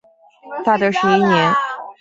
大德十一年。